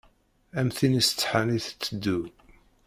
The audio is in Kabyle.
Am tin isetḥan i tetteddu.